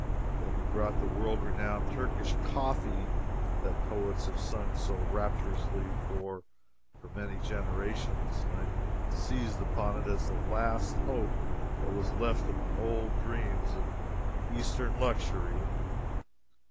Then he brought the world renowned Turkish coffee that poets have sung so rapturously for many generations, and I seized upon it as the last hope that was left of my old dreams of Eastern luxury.